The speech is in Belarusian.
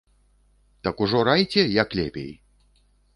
Так ужо райце, як лепей!